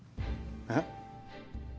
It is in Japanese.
えっ？